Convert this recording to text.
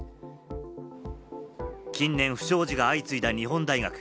近年、不祥事が相次いだ日本大学。